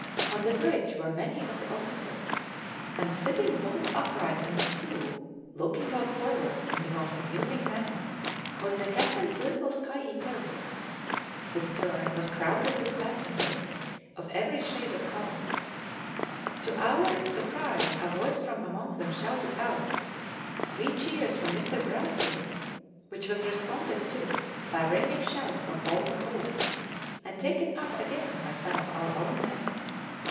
On the bridge were many of the officers; and sitting bolt upright on a stool, 'looking out forward' in the most amusing manner, was the captain's little Skye terrier. The stern was crowded with passengers, of every shade of colour. To our surprise a voice from among them shouted out 'Three cheers for Mr. Brassey!' which was responded to by ringing shouts from all on board, and taken up again by some of our own men.